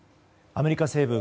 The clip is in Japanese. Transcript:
アメリカ西部